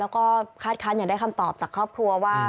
แล้วก็คาดคันอยากได้คำตอบจากครอบครัวว่า